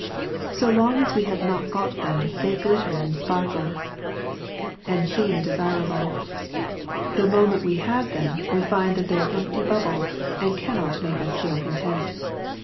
So long as we have not got them they glitter, and sparkle, and seem desira* MJKB, CHAP. IX. 311 able. The moment we have them we find that they are empty bubbles, and cannot make us feel content.